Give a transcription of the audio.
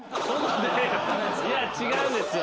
いや違うんですよ。